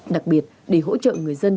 đặc biệt để hỗ trợ người dân